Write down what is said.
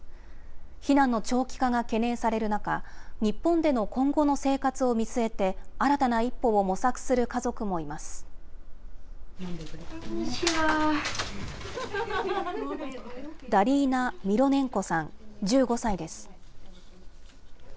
避難の長期化が懸念される中、日本での今後の生活を見据えて、新たな一歩を模索する家族もいます。